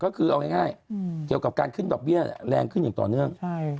ก็คือเอาง่ายเกี่ยวกับการขึ้นดอกเบี้ยแรงขึ้นอย่างต่อเนื่อง